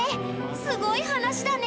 すごい話だね！